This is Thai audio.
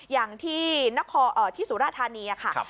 อย่างที่สุรธานีนะครับ